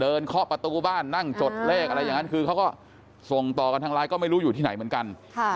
เคาะประตูบ้านนั่งจดเลขอะไรอย่างนั้นคือเขาก็ส่งต่อกันทางไลน์ก็ไม่รู้อยู่ที่ไหนเหมือนกัน